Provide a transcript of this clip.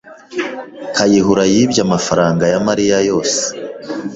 Kayihura yibye amafaranga ya Mariya yose.